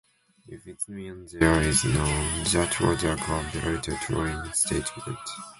If it means there is none, that was a completely true statement.